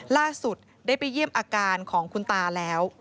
ล่าสุดได้ไปเยี่ยมอาการของคุณตาแล้ว